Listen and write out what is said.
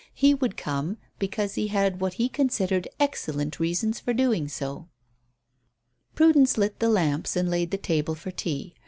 He would come because he had what he considered excellent reasons for so doing. Prudence lit the lamps and laid the table for tea.